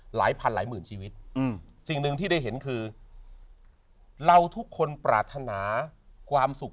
หลายพันหลายหมื่นชีวิตสิ่งหนึ่งที่ได้เห็นคือเราทุกคนปรารถนาความสุข